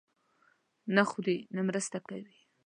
نه خوري، نه مرسته کوي.